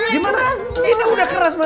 gimana ini udah keras banget